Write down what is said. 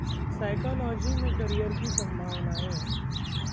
psychology में career की संभावनाएं